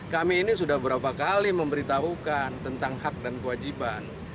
kami ini sudah berapa kali memberitahukan tentang hak dan kewajiban